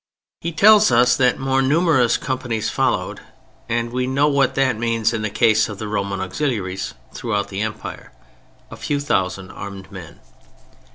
He tells us that "more numerous companies followed," and we know what that means in the case of the Roman auxiliaries throughout the Empire, a few thousand armed men.